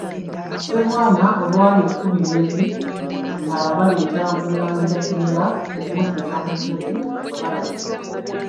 Ssebwana olwali okubulira eri, nga baleeta Mulangira Kimera kumutuuza ku ntebe, nga balagira.